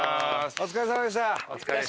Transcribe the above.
お疲れさまでした！